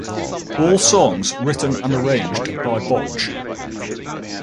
All songs written and arranged by Botch.